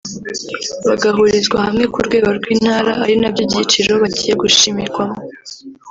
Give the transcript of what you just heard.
bagahurizwa hamwe ku rwego rw’Intara ari nabyo byiciro bagiye bashimirwamo